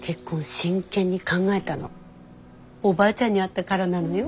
真剣に考えたのおばあちゃんに会ったからなのよ。